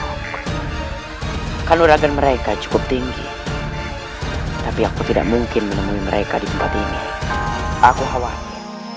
di manok kanur agen mereka cukup tinggi tapi aku tidak mungkin menemui mereka di tempat ini aku khawatir